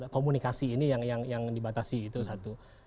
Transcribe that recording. komunikasi ini yang dibatasi itu satu